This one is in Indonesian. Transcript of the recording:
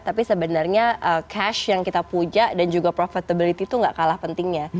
tapi sebenarnya cash yang kita puja dan juga profitability itu gak kalah pentingnya